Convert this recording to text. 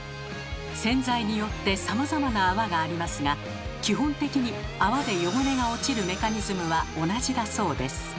洗剤によってさまざまな泡がありますが基本的に泡で汚れが落ちるメカニズムは同じだそうです。